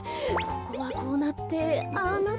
ここがこうなってああなって。